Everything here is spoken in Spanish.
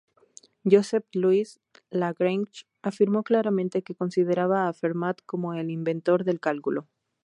Joseph-Louis Lagrange afirmó claramente que consideraba a Fermat como el inventor del cálculo.